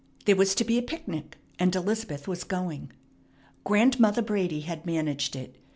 There was to be a picnic, and Elizabeth was going. Grandmother Brady had managed it.